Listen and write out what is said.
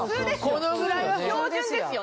このぐらいは普通ですよ。